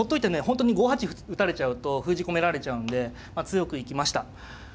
本当に５八歩打たれちゃうと封じ込められちゃうんで強く行きました。